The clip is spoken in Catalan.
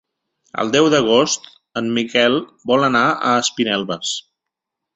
El deu d'agost en Miquel vol anar a Espinelves.